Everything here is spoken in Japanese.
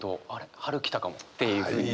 春来たかもっていうふうに。